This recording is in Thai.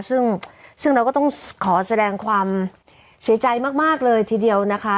ซึ่งเราก็ต้องขอแสดงความเสียใจมากเลยทีเดียวนะคะ